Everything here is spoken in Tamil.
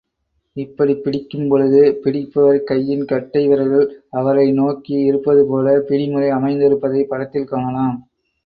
இப்படிப் பிடிக்கும்பொழுது, பிடிப்பவர் கையின் கட்டை விரல்கள் அவரையே நோக்கி இருப்பது போல பிடிமுறை அமைந்திருப்பதைப் படத்தில் காணலாம்.